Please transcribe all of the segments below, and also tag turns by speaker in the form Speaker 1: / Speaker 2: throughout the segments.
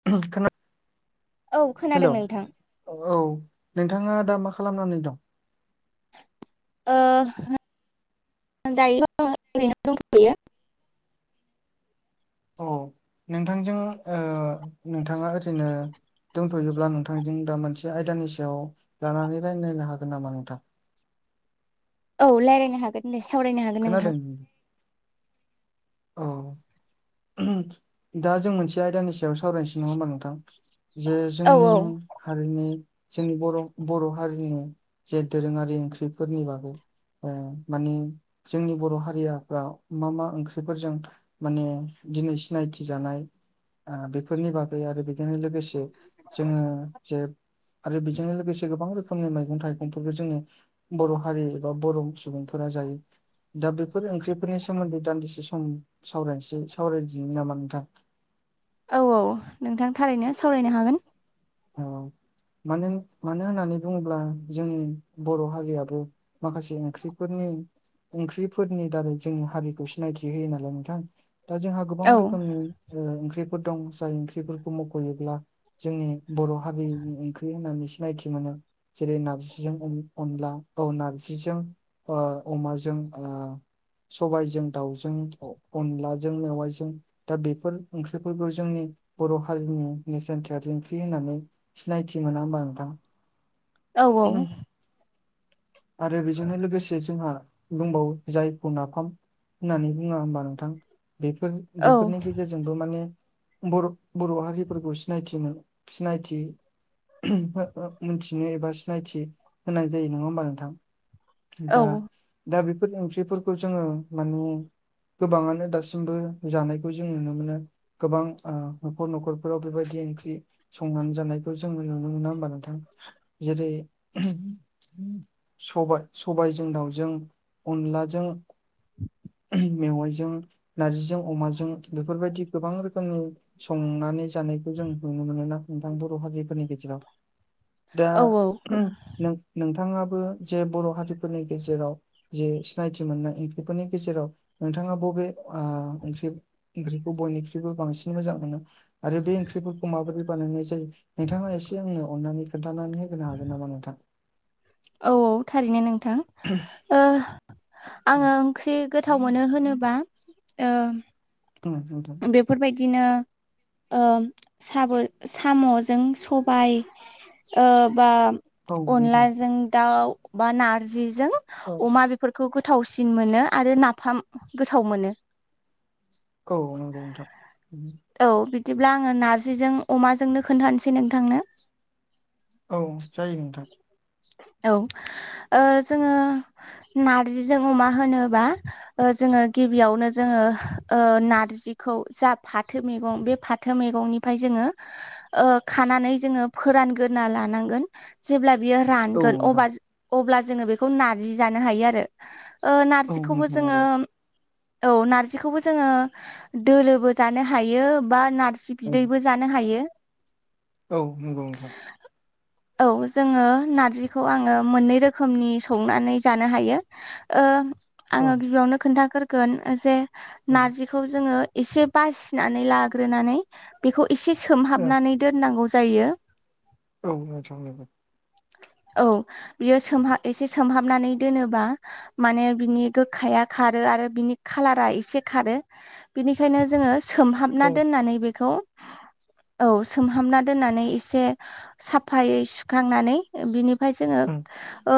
Speaker 1: [unintelligible]
Speaker 2: औ
Speaker 1: हेलौ
Speaker 2: खोनादों नोंथां।
Speaker 1: औ नोंथाङा दा मा खालामनानै दं।
Speaker 2: दायो।
Speaker 1: औ नोंथांजों नोंथाङा ओरैनो दंथ'योब्ला नोंथांजों दा मोनसे आयदानि सायाव। जानानै रायजायलायनो हागोन नामा नोंथां।
Speaker 2: औ रायज्लायनो हागोन दे सावरायनो हागोन नोंथां।
Speaker 1: खोनादों औ। दा जों मोनसे आयदानि सायाव सावरायनोसै नङा होनोमबा नोंथां जे
Speaker 2: औ
Speaker 1: जोंनि
Speaker 2: औ
Speaker 1: हारिनि जोंनि बर' बर' हारिनि जे दोरोङारि ओंख्रिफोरनि बागै अ माने जोंनि बर' हारियाफ्रा मा मा ओंख्रिफोरजों माने दिनै सिनायथि जानाय बेफोरनि बागै आरो बेजोंनो लोगोसे जोङो जे आरो बेजोंनो लोगोसे गोबां रोखोम फनि मैगं थाइगंफोरखौ जोंनि बर' हारि एबा बर' सुबुंफोरा जायो। दा बेफोर ओंख्रिफोरनि सोमोन्दै दान्दिसे सम सावरायसै सावरायदिनो नामा नोंथां
Speaker 2: औ औ नोंथां थारैनो सावरायनो हागोन।
Speaker 1: औ मानो मानो होननानै बुङोब्ला जोंनि बर' हारियाबो माखासे ओख्रिफोरनि ओंख्रिफोरनि दारै जोंनि हारिखौ सिनायथि होयो नालाय नोंथां दा जोंहा गोबां
Speaker 2: औ
Speaker 1: रोखोमनि ओंख्रिफोर दं जाय ओंख्रिफोरखौ मख'योब्ला जोंनि बर' हारिनि ओंख्रि होननानै सिनायथि मोनो जेरै नारजिजों अनला औ नारजिजों ओ अमाजों ओ सबायाइजों दाउजों अनलाजों मेवाइजों दा बेफोर ओंख्रिफोरखौ जोंनि बर' हारिनि नेेरसोनथिया बिदि होननानै सिनायथि मोना होमबा नोंथां
Speaker 2: औ औ
Speaker 1: आरो बेजोंनो लोगोसे जोंहा बुंबावो जायखौ नाफाम होननानै बुङा होमबा नोंथां बेफोर
Speaker 2: औ
Speaker 1: बेफोरनि जेरजोंबो माने बर बर' हारिफोरखौ सिनायथि मोन सिनायथि। ओ मोनथिनो एबा सिनायथि होनाय जायो नङा होमबा नोंथां दा।
Speaker 2: औ
Speaker 1: दा बेफोर ओंख्रिफोरखौ जोङो माने। गोबाङानो दासिमबो जानायखौ जों नुनो मोनो। गोबां न'खर न'खरफोराव बेबायदि ओंख्रि संनानै जानायखौ जोङो नुनो मोनो नङा होमबा नोंथां जेरै सबाय सबायजों दाउजों अनलाजों मेवाइजों नारजिजों अमाजों बेफोरबायदि गोबां रोखोमनि। संनानै जानायखौ जों नुनो मोनोना नोंथां बर' हारिफोरनि गेजेराव। दा
Speaker 2: औ औ।
Speaker 1: नोंथाङाबो जे बर' हारिफोरनि गेजेराव। जे सिनायथि मोननाय ओंख्रिफोरनि गेजेराव नोंथाङा बबे ओंख्रि। ओंख्रिखौ बयनिख्रुइबो बांसिन मोजां मोनो आरो बे ओंख्रिफोरखौ माबोरै बानायनाय जायो नोंथाङा एसे आंनो अननानै खोन्थानानै होनो हागोन नंगौ नोंथां
Speaker 2: औ औ थारैनो नोंथां ओ आङो ओंख्रि गोथाव मोनो होनोबा
Speaker 1: उम उम उम
Speaker 2: बेफोरबायदिनो ओ साब साम'जों सबाय। ओ बा
Speaker 1: नोंथां
Speaker 2: अनलाजों दाउ बा नारजिजों
Speaker 1: औ
Speaker 2: अमा बे फोरफोरखौ गोथावसिन मोनो आरो नाफामखौ गोथाव मोनो।
Speaker 1: औ नंगौ नोंथां
Speaker 2: औ बिदिब्ला आङो नारजिजों अमाजोंनो खोन्थानोसै नोंथांनो।
Speaker 1: औ जायो नोंथां।
Speaker 2: औ जोङो नारजिजों अमा होनोबा ओ जोङो गिबियावनो जोङो नारजिखौ जा फाथो मैगं बे फाथो। फाथो मैगंनिफ्राय जोङो खानानै जोङो फोरानग्रोना लानांगोन जेब्ला बियो
Speaker 1: औ
Speaker 2: रानगोन
Speaker 1: नोंथां
Speaker 2: अब्ला अब्ला जोङो बेखौ नारजि जानो हायो आरो ओ
Speaker 1: औ
Speaker 2: नारजिखौबो
Speaker 1: नोंथां
Speaker 2: जोङो
Speaker 1: नंगौ
Speaker 2: औ नारजिखौबो जोङो दोलोबो जानो हायो बा नारजि
Speaker 1: औ
Speaker 2: बिदैबो जानो हायो।
Speaker 1: औ नंगौ नोंथां।
Speaker 2: औ जोङो नारजिखौ आङो मोननै रोखोमनि संनानै जानो हायो।
Speaker 1: औ
Speaker 2: आङो गिबियावनो खोन्थाग्रोगोन जे
Speaker 1: औ
Speaker 2: नारजि। जोङो एसे बासिनानै लाग्रोनानै बेखौ एसे सोमहाबनानै दोननांगौ जायो।
Speaker 1: औ नोंथां औ
Speaker 2: औ बियो सोमहा एसे सोमहाबनानै दोनोबा माने बिनि गोखाया खारो आरो बिनि खालारा एसे खारो। बिनिखायनो जोङो सोमहाबना
Speaker 1: औ नोंथां नंगौ औ
Speaker 2: दोननानै बेखौ औ सोमहाबना दोननानै एसे साफायै सुखांनानै बिनिफ्राय जोङो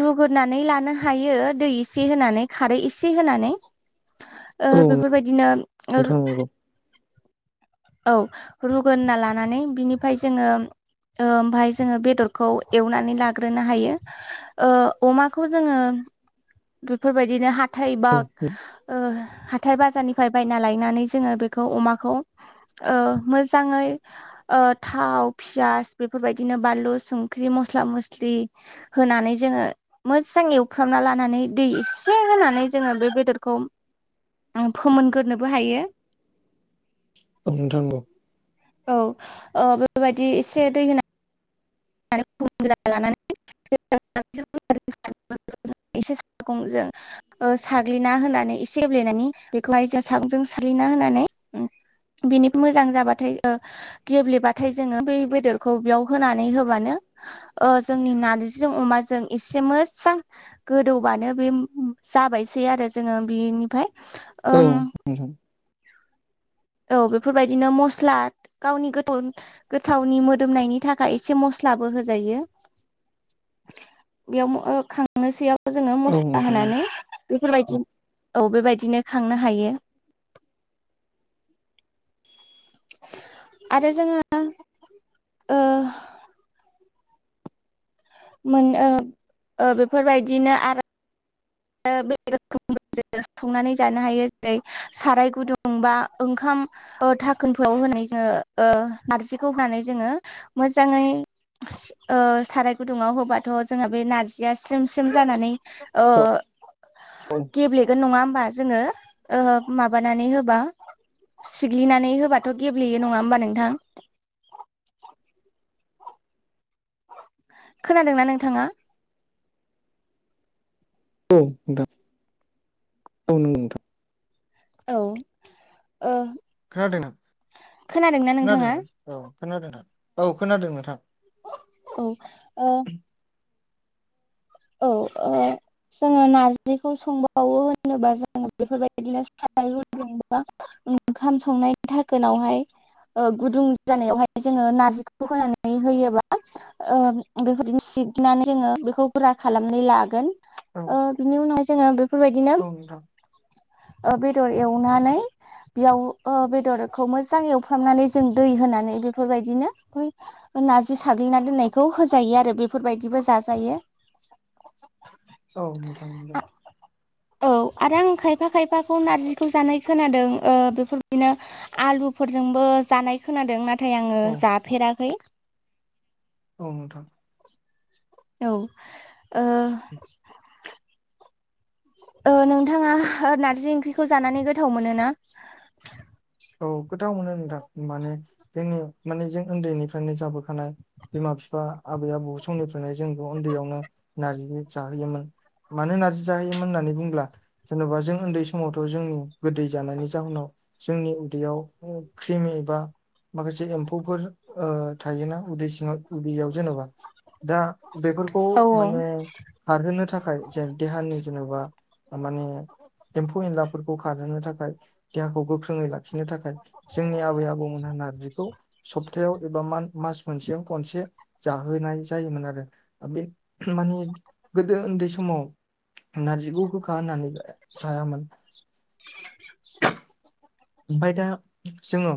Speaker 2: रुग्रोनानै लानो हायो दै एसे होनानै खारै एसे होनानै
Speaker 1: [inaudible]
Speaker 2: बेफोर बायदिनो औ रुग्रोना लानानै बिनिफ्राय जोङो ओमफ्राय जोङो बेदरखौ एवनानै लाग्रोनो हायो अमाखौ जोङो बेफोरबायदिनो हा हाथाय बा हाथाय बाजारनिफ्राय बायना लायनानै जोङो बेखौ अमाखौ ओ मोजाङै थाव पियास बेफोरबायदिनो बानलु संख्रि मस्ला मस्लि होनानै जोङो मोजां एवफ्रामना लानानै दै एसे होनानै जोङो बे बेदरखौ फोमोनग्रोनोबो हायो
Speaker 1: औ नोंथां औ
Speaker 2: औ बेबायदि एसे दै होना [unintelligible] [unintelligible] एसे सागं जों साग्लिना होनानै एसे गेब्लेनायनि बेखौहाय जों सागंजों साग्लिना होनानै बिनि मोजां जाबाथाय गेब्लेबाथाय जोङो बे बेदरखौ बेयाव होनानै होब मानो जोंनि नारजिजों अमाजों एसे मोजां गोदौबानो बे जाबायसै आरो जोङो बेनिफ्राय।
Speaker 1: औ
Speaker 2: ओम
Speaker 1: नंगौ
Speaker 2: औ बेफोरबायदिनो मस्ला गावनि गोथौ गोथावनि मोदोमनायनि थाखाय एसे मस्लाबो होजायो
Speaker 1: [inaudible]
Speaker 2: बेयाव खांनोसैयाव जोङो
Speaker 1: औ नोंथां नंगौ औ
Speaker 2: मस्ला
Speaker 1: नोंथां औ
Speaker 2: होनानै बेफोरबायदि औ बेबायदिनो खांनो हायो आरो जोङो ओ मोन ओ बेफोरबायदिनो आरो आरो बे रोखोम संनानै जानो हायो जेरै साराय गुदुं बा ओंखाम थाखोनखौ होनाय जोङो नारजिखौ होनानै जोङो मोजाङै साराय गुदुङाव होबाथ' जोंहा बे नारजिया स्रेम स्रेम जानानै ओ
Speaker 1: [unintelligible]
Speaker 2: गेब्लेगोन नङा होमबा जोङो माबानानै होबा सिग्लिनानै होबाथ' गेब्लेयो नङा होमबा नोंथां खोनादों ना नोंथाङा
Speaker 1: औ नोंथां [inaudible] औ नोंथां [unintelligible]
Speaker 2: औ ओ
Speaker 1: खोनादों ना
Speaker 2: खोनादोंना
Speaker 1: [unintelligible] खोनादों
Speaker 2: नोंथाङा
Speaker 1: ना औ खोनादों नोंथां औ खोनादों नोंथां
Speaker 2: औ आ औ आ जोङो नार्जिखौ संबावो होनोबा [unintelligible] जोङो बेफोरबायदिनो साराय गुदुं एबा ओंखाम संनायनि थाखोनावहाय गुदुं जानायावहाय जोङो नार्जिखौ होनानै होयोबा बेफोरनो [unintelligible] सिबनानै जोङो बेखौ गुरा खालामनानै लागोन
Speaker 1: औ
Speaker 2: बिनि उनाव जोङो बेफोरबायदिनो
Speaker 1: खोनादों नोंथां
Speaker 2: बेदर एवनानै बेयाव बेदरखौ मोजां एवफ्रामनानै जों दै होनानै बेफोरबायदिनो नारजि साग्लिना दोन्नायखौ होजायो आरो बेफोरबायदिबो जाजायो [inaudible]
Speaker 1: औ नोंथां मोजां मोनदों
Speaker 2: औ आरो आं खायफा खायफाखौ नार्जिखौ जानाय खोनादों बेफोरबायदिनो आलुफोरजोंबो जानाय खोनादों नाथाय आङो
Speaker 1: औ
Speaker 2: जाफेराखै
Speaker 1: औ नोंथां
Speaker 2: औ ओ नोंथाङा नारजि ओंख्रिखौ जानानै गोथाव मोनो ना
Speaker 1: औ गौथाव मोनो नोंथां माने जोंनि माने जों उन्दैनिफ्रायनो जाबोखानाय बिमा बिफा आबै आबौ समनिफ्रायनो जोंनो उन्दैयावनो नारजि जाहोयोमोन मानो नारजि जाहोयोमोन होननानै बुंब्ला जेन'बा जों उन्दै समावथ' जोंनि गोदै जानायनि जाहोनाव जोंनि उदैयाव क्रिमि [unintelligible] एबा माखासे एम्फौफोर थायोना उदै सिङाव उदैयाव जेनेबा दा बेफोरखौ
Speaker 2: औ औ
Speaker 1: माने खारहोनो थाखाय जे देहानि जेन'बा माने एम्फौ एनलाफोरखौ खारहोनो थाखाय देहाखौ गोख्रोङै लाखिनो नो थाखाय जोंनि आबै आबौमोनहा नारजिखौ सप्तायाव एबा मास खनसेयाव खनसे जाहोनाय जायोमोन आरो बे माने गोदो उन्दै समाव नारजिखौ गोखा होननानै जायामोन
Speaker 2: [inaudible] [inaudible]
Speaker 1: ओमफ्राय दा जोङो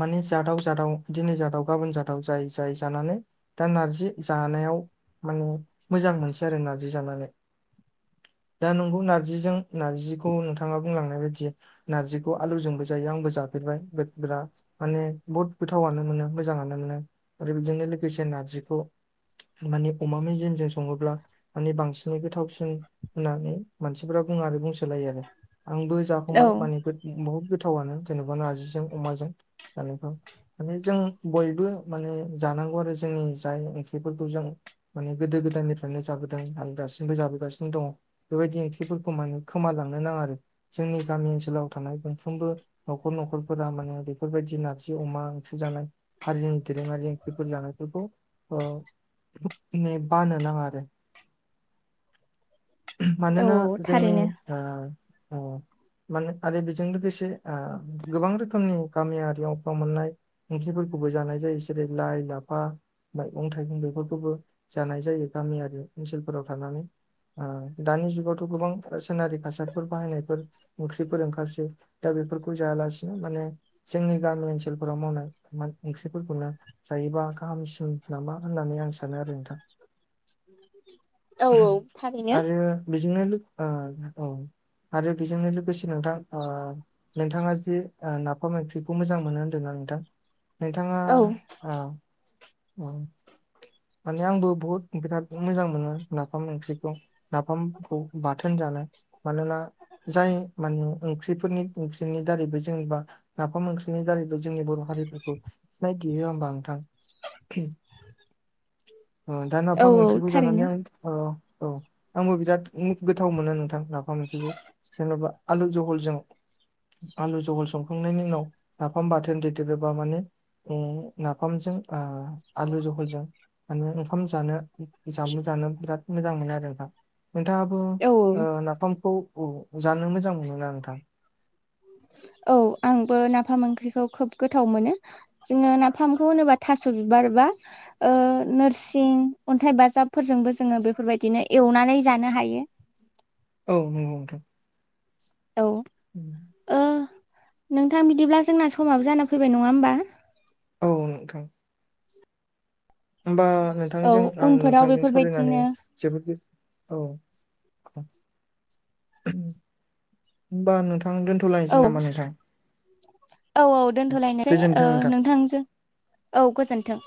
Speaker 1: माने जादाव जादाव दिनै जादाव गाबोन जादाव जायै जायै जानानै दा नारजि जानायाव माने मोजां मोनसै आरो नारजि जानानै दा नंगौ नारजिजों नारजिखौ नोंथाङा बुंलांनाय बायदि नारजि बे आलुजोंबो जायो आंबो जाफेरबाय बिराद माने बहुत गोथावानो मोनो मोजाङानो मोनो आरो बेजोंनो लोगोसे नारजिखौ माने अमा मेजेमजों सङोब्ला माने बांसिनै गोथावसिन होननानै मानसिफोरा बुङो आरो बुंसोलायो आरो आंबो
Speaker 2: औ
Speaker 1: जाखांबाय माने बुहुत गोथावनो जेनेबा नारजिजों अमाजों जानायबा [unintelligible] माने जों बयबो माने जानांगौ आरो जोंनि जाय ओंख्रिफोरखौ जों माने गोदो गोदायनिफ्रायनो जाबोदों आरो दासिमबो जाबोगासिनो दङ बेबायदि ओंख्रिफोरखौ माने खोमालांनो नाङा आरो जोंनि गामि ओनसोलाव थानाय मोनफ्रोमबो नखर न'खरफोरा माने बेफोरबायदि नारजि अमा ओंख्रि जानाय हारिनि दोरोङारि ओंख्रि फोर जानायफोरखौ [unintelligible] नो बानो नांडा़ आरो
Speaker 2: औ
Speaker 1: मानोना
Speaker 2: औ
Speaker 1: जोंनि
Speaker 2: थारैनो
Speaker 1: ओ माने आरो बेजों लोगोसे गोबां रोखोमनि गामियारिफोराव मोननाय ओंख्रिफोरखौबो जानाय जायो जेरै लाइ लाफा मैगं-थाइगं बेफोरखौबो जानाय जायो गामियारि ओनसोलफोराव थानानै। दानि जुगावथ' गोबां सनारि कासादफोर बाहायनायफोर खफोर ओंखारसै दा बेफोरखौ जायालासिनो माने जोंनि गामि ओनसोलफोराव मावनाय ओंख्रिफोरखौनो। जायोबा गाहामसिन नामा होननानै आं सानो आरो नोंथां।
Speaker 2: [inaudible] औ थारैनो
Speaker 1: आरो बेजोंनो औ आरो बेजोंनो लोगोसे नोंथां ओ नोंथाङा जे नाफाम मैख्रिखौ मोजां मोनो होन्दोंना नोंथां। नोंथाङा
Speaker 2: औ
Speaker 1: औ। माने आंबो बहुत बिराद मोजां मोनो नाफाम ओंख्रिखौ। नाफामखौ बाथोन जानाय मानोना जाय माने ओंख्रिफोरनि ओंख्रिनि दारैबो जेनेबा लाफा ओंख्रिनि दारैबो जोंनि बर' हारिफोरखौ सिनायथियो होमबा नोंथां? दा
Speaker 2: औ
Speaker 1: नाफाम
Speaker 2: औ
Speaker 1: ओंख्रिखौ जानानै
Speaker 2: थारैनो
Speaker 1: आं औ। आंबो बिराद गोथाव मोनो नोंथां लाफा मोनसेबो जेनेबा आलु जहलजों आलु जहल संखांनायनि उनाव नाफाम बाथोन दैेदेर्रबा माने नाफामजों आलु जहलजों माने ओंखाम जानो जामलु जानो बिराद मोजां मोनो आरो ना? नोंथाङाबो
Speaker 2: औ
Speaker 1: नाफामखौ जानो मोजां मोनोा नोंथां।
Speaker 2: औ आंबो नाफाम ओंख्रिखौ खोब गोथाव मोनो जोङो नाफामखौ होनोबा थास' बिबार बा नोरसिं अन्थाइ बाजाबफोरजोंबो जोङो बेफोरबायदिनो एवनानै जानो हायो।
Speaker 1: औ नै बुं नोंगौ।
Speaker 2: औ।
Speaker 1: उम
Speaker 2: नोंथां बिदिब्ला जोंना समाबो जाना फैबाय नङा होमबा?
Speaker 1: औ नों होमबा
Speaker 2: औ
Speaker 1: नोंथांजों आं
Speaker 2: उनफोराव
Speaker 1: नोंथांजों सावरायनानै
Speaker 2: बेफोरबायदिनो
Speaker 1: जोबोद औ। होनोमबा नोंथां दोनदो।
Speaker 2: औ औ औ दोनथ'लायनोसै
Speaker 1: गोजोन्थों नोंथां।
Speaker 2: नोंथांजों। औ गोजोन्थों।